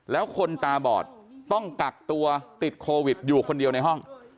แล้วคนตาบอดต้องกักตัวติดโควิดอยู่คนเดียวในห้อง